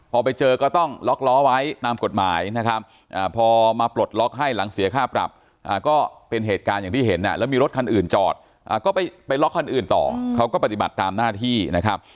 พอไปเจอก็ต้องล็อกล้อไว้ตามกฎหมายนะครับพอมาปลดล็อกให้หลังเสียค่าปรับก็เป็นเหตุการณ์อย่างที่เห็นแล้วมีรถคันอื่นจอดก็ไปล็อกคันอื่นต่อเขาก็ปฏิบัติตามหน้าที่นะครับ